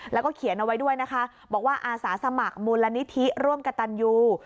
แล้วก็เขียนเอาไว้ด้วยนะคะบอกว่าอาสาสมัครมูลนิธิร่วมกับตันยู